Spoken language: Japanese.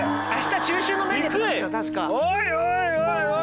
おいおいおいおい。